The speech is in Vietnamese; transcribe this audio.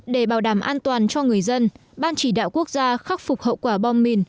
để bảo đảm an toàn cho người dân ban chỉ đạo quốc gia khắc phục hậu quả bom mìn